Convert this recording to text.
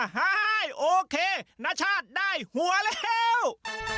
เฮ่ยโอเคณชาติได้หัวแล้ว